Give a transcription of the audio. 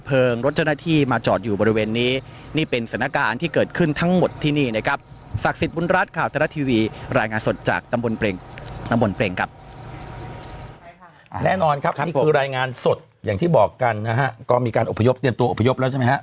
เอาบนเพลงครับ